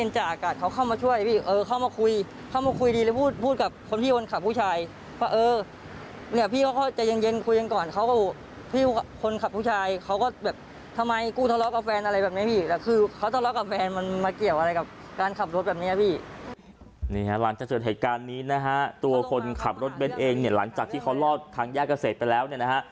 หลังจากเกิดเหตุการณ์นี้นะฮะตัวคนขับรถเบ้นเองเนี่ยหลังจากที่เขารอดทางแยกเกษตรไปแล้วเนี่ยนะฮะ